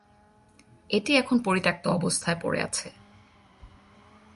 এটি এখন পরিত্যক্ত অবস্থায় পড়ে আছে।